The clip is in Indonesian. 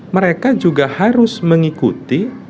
mereka juga harus mengikuti